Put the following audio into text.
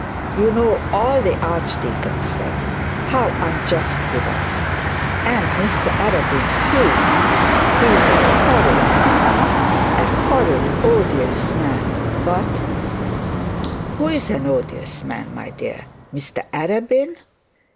You know all the archdeacon said. How unjust he was, and Mr Arabin too. He's a horrid man, a horrid, odious man, but ' 'Who is an odious man, my dear? Mr Arabin?'